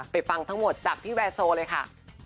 ฟังทั้งหมดจากพี่แวร์โซเลยค่ะ